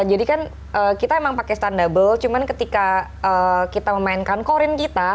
jadi kan kita emang pakai stand double cuman ketika kita memainkan korin kita